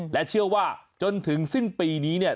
และเชื่อว่าจนถึงสิ้นปีนี้เนี่ย